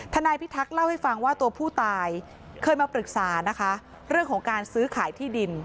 นายพิทักษ์เล่าให้ฟังว่าตัวผู้ตายเคยมาปรึกษานะคะเรื่องของการซื้อขายที่ดิน